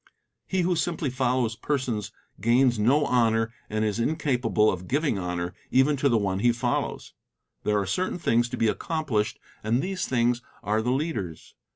He who simply follows persons gains no honor and is incapable of giving honor even to the one he follows. There are certain things to be accomplished and these things are the leaders.